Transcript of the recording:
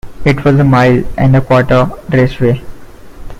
It was a mile and a quarter raceway.